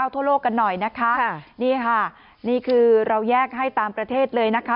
ทั่วโลกกันหน่อยนะคะนี่ค่ะนี่คือเราแยกให้ตามประเทศเลยนะคะ